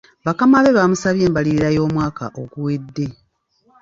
Bakama be bamusabye embalirira y'omwaka oguwedde.